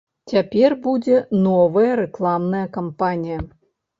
Цяпер будзе новая рэкламная кампанія.